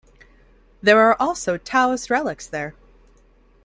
There are also Taoist relics there.